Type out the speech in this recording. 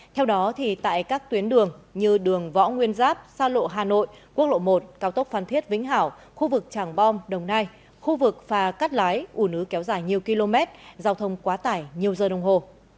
theo đó tại các tuyến đường như đường võ nguyên giáp xa lộ hà nội quốc lộ một cao tốc phan thiết vĩnh hảo khu vực tràng bom đồng nai khu vực phà cắt lái ủ nứ kéo dài nhiều km giao thông quá tải nhiều giờ đồng hồ